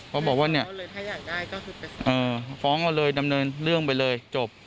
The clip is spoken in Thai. เขาบอกว่าเนี้ยเออฟ้องเอาเลยดำเนินเรื่องไปเลยจบ